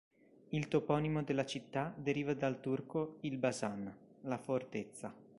Il toponimo della città deriva dal turco "il-basan", la fortezza.